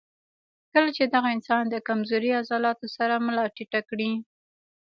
کله چې دغه انسان د کمزوري عضلاتو سره ملا ټېټه کړي